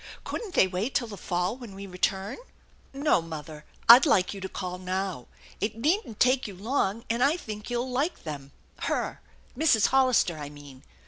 " Couldn't they wait till the fall when we return ?"" No, mother, I'd like you to call now. It needn't take you long, and I think you'll like them her Mrs. Hollister, I mean.